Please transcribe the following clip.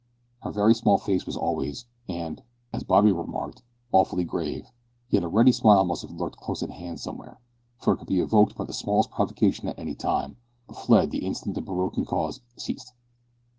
Her very small face was always, and, as Bobby remarked, awfully grave, yet a ready smile must have lurked close at hand somewhere, for it could be evoked by the smallest provocation at any time, but fled the instant the provoking cause ceased.